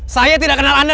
saya tidak kenal anda